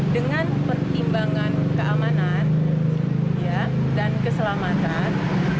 dengan pertimbangan keamanan dan keselamatan